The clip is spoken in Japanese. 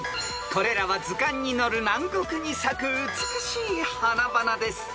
［これらは図鑑に載る南国に咲く美しい花々です］